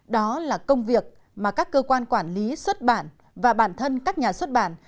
đó là công việc mà các cơ quan quản lý xuất bản và bản thân các nhà xuất bản